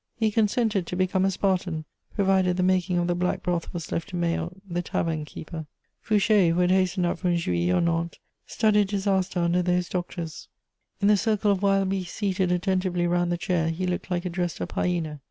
He consented to become a Spartan, provided the making of the black broth was left to Méot the tavern keeper. Fouché, who had hastened up from Juilly or Nantes, studied disaster under those doctors: in the circle of wild beasts seated attentively round the chair he looked like a dressed up hyena.